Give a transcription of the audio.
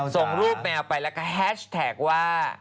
ส่งรูปแมวไปแล้วก็แฮชแท็กว่า